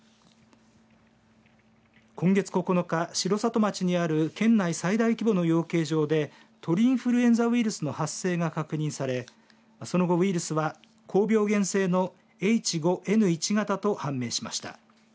今月９日、城里町にある県内最大規模の養鶏場で鳥インフルエンザウイルスの発生が確認されその後ウイルスは高病原性のＨ５Ｎ１型と判明しました。